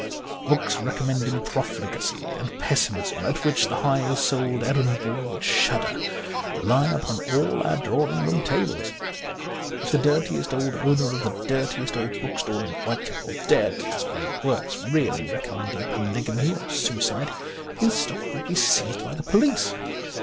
Books recommending profligacy and pessimism, at which the high souled errand boy would shudder, lie upon all our drawing room tables. If the dirtiest old owner of the dirtiest old bookstall in Whitechapel dared to display works really recommending polygamy or suicide, his stock would be seized by the poUce.